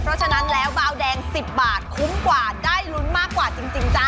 เพราะฉะนั้นแล้วบาวแดง๑๐บาทคุ้มกว่าได้ลุ้นมากกว่าจริงจ๊ะ